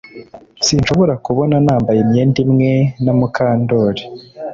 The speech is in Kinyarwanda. Sinshobora kubona nambaye imyenda imwe na Mukandoli